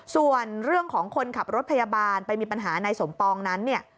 ส่วนเรื่องของคนขับรถพยาบาลไปมีปัญหานายสมปองนั้นเนี่ย